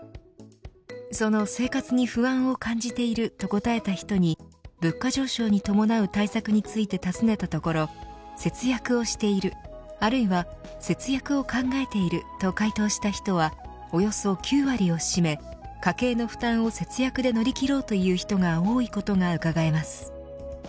その生活に不安を感じていると答えた人に物価上昇に伴う対策について尋ねたところ節約をしている、あるいは節約を考えていると回答した人はおよそ９割を占め家計の負担を節約で乗り切ろうという人が多いことがうかがえます。